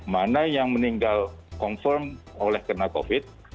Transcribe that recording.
mana yang meninggal confirmed oleh karena covid